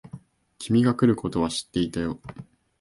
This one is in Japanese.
君が来ることは知ってたよ。